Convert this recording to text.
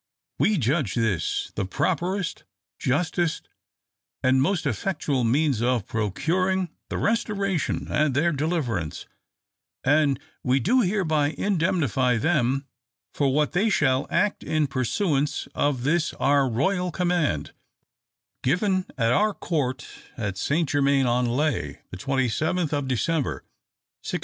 We judge this the properest, justest, and most effectual means of procuring the Restoration and their deliverance, and we do hereby indemnify them for what they shall act in pursuance of this our royal command, given at our court of Saint Germain en Laye, the 27th of December, 1695.'